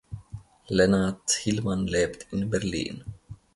Lennart Hillmann lebt in Berlin.